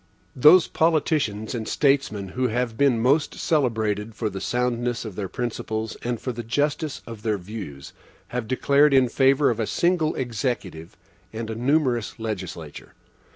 Those politicians and statesmen who have been the most celebrated for the soundness of their principles and for the justice of their views, have declared in favor of a single Executive and a numerous legislature.